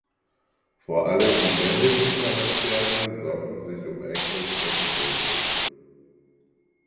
Vor allem die männlichen Charaktere sorgen sich um Agnes Unschuld.